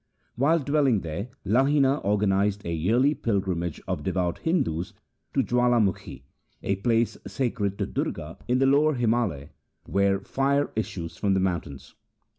While dwelling there Lahina organized a yearly pilgrimage of devout Hindus to Jawalamukhi, 1 a place sacred to Durga in the lower Himalayas, where fire issues from the mountains.